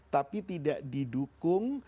tapi tidak didukung